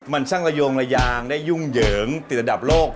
มันช่างระโยงระยางได้ยุ่งเหยิงติดระดับโลก